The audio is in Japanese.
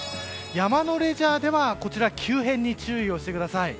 山のレジャーでは急変に注意してください。